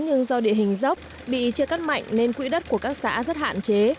nhưng do địa hình dốc bị chia cắt mạnh nên quỹ đất của các xã rất hạn chế